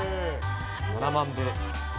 ７万部。